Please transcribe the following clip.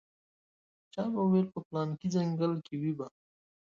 چا به ویل په پلاني ځنګل کې وي به.